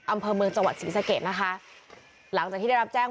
อำเภอเมืองจังหวัดศรีสะเกดนะคะหลังจากที่ได้รับแจ้ง